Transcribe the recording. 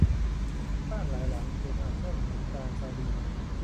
บ้านหลายหลังถูกอัดแน่นเหมือนปลาซาร์ดีน